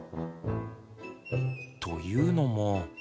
というのも。